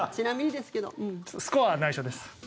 スコアは内緒です。